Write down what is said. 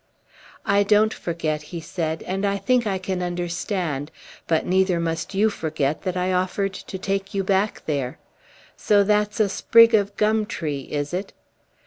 "I don't forget," he said, "and I think I can understand; but neither must you forget that I offered to take you back there. So that's a sprig of gum tree, is it?"